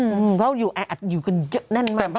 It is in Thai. เพราะอยู่แออัดอยู่กันเยอะแน่นมาก